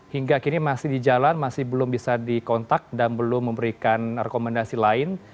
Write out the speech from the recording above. hingga kini masih di jalan masih belum bisa dikontak dan belum memberikan rekomendasi lain